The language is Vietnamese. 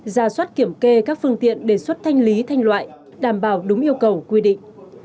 ra soát kiểm kê các phương tiện đề xuất thanh lý thanh loại đảm bảo đúng yêu cầu quy định